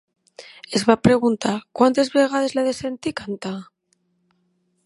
Es va preguntar: "Quantes vegades l'he de sentir cantar?"